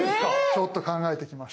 ちょっと考えてきました。